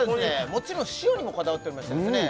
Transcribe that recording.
もちろん塩にもこだわっておりましてですね